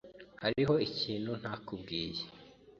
Hariho ikintu ntakubwiye,